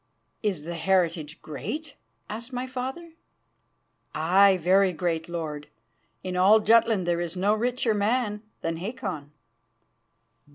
"Is the heritage great?" asked my father. "Aye, very great, Lord. In all Jutland there was no richer man than Hakon."